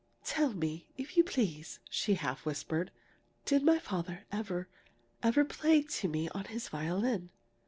"Tell me, if you please," she half whispered, "did my father ever ever play to me on his violin?